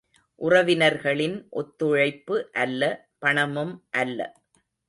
உறவினர்களின் ஒத்துழைப்பு அல்ல, பணமும் அல்ல.